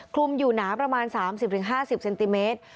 คลุมอยู่หนาประมาณ๓๐๕๐เซนติเมตร